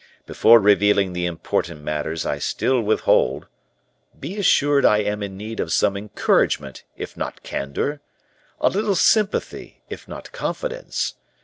Before revealing the important matters I still withhold, be assured I am in need of some encouragement, if not candor; a little sympathy, if not confidence.